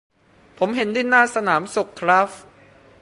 ผมเห็นที่หน้าสนามศุภครับ